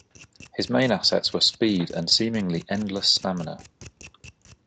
His main assets were speed and seemingly endless stamina.